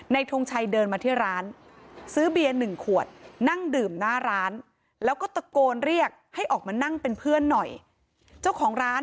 นึกถึงตัวเองเลยอ่ะ